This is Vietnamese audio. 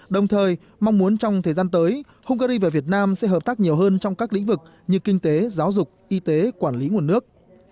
đồng thời mong muốn trong thời gian tới hungary và việt nam sẽ hợp tác nhiều hơn trong các lĩnh vực như kinh tế giáo dục y tế quản lý nguồn nước